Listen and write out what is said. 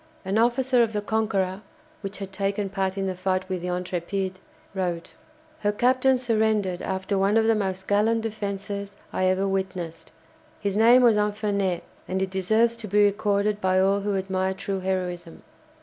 An officer of the "Conqueror" (which had taken part in the fight with the "Intrépide") wrote: "Her captain surrendered after one of the most gallant defences I ever witnessed. His name was Infernet, and it deserves to be recorded by all who admire true heroism.